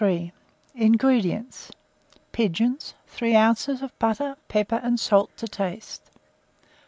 INGREDIENTS. Pigeons, 3 oz. of butter, pepper and salt to taste.